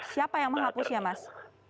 siapa yang menghapusnya mas